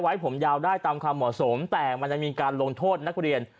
ไว้ผมยาวได้ตามความเหมาะสมแต่มันยังมีการลงโทษนักเรียน